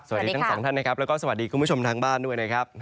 สวัสดีทั้งสองท่านนะครับแล้วก็สวัสดีคุณผู้ชมทางบ้านด้วยนะครับ